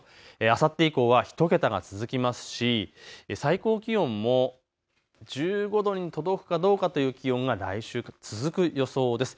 あさって以降は１桁が続きますし、最高気温も１５度に届くかどうかという気温が来週から続く予想です。